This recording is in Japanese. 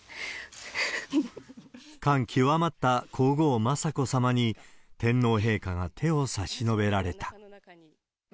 感極まった皇后雅子さまに、天皇陛下が手を差し伸べられた。